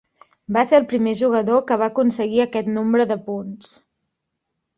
Va ser el primer jugador que va aconseguir aquest nombre de punts.